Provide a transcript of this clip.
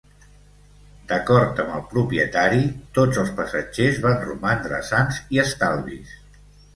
D'acord amb el propietari, tots els passatgers van romandre sans i estalvis.